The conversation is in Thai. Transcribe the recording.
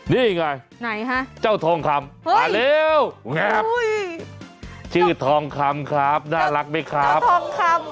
นี่ไงจ้าวทองคำมาเร็วงับชื่อทองคำครับน่ารักไหมครับจ้าวทองคำ